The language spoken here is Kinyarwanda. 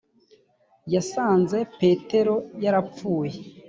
yasanze petero yarapfuye